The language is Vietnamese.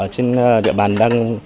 trên địa bàn đang